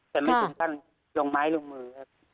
แต่ไม่ถึงขั้นลงไม้ลงมือครับ